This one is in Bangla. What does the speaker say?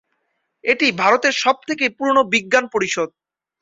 এটি ভারতের সব থেকে পুরোনো বিজ্ঞান পরিষদ।